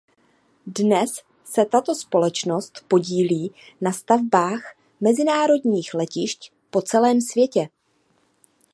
Dnes se tato společnost podílí na stavbách mezinárodních letišť po celém světě.